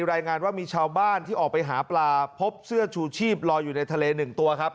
รายงานว่ามีชาวบ้านที่ออกไปหาปลาพบเสื้อชูชีพลอยอยู่ในทะเล๑ตัวครับ